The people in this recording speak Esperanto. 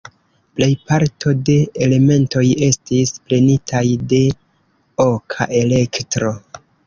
Plejparto de elementoj estis prenitaj de Oka Elektro.